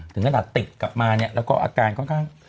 ถึงขนาดติดกลับมาเนี่ยแล้วก็อาการค่อนข้าง